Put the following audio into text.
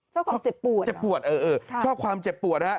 ชอบความเจ็บปวดชอบความเจ็บปวด